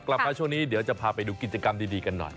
กลับมาช่วงนี้เดี๋ยวจะพาไปดูกิจกรรมดีกันหน่อย